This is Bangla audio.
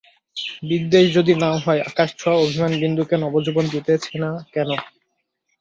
বিদ্বেষ যদি নাও হয়, আকাশছোয়া অভিমান বিন্দুকে নবজীবন দিতেছে না কেন?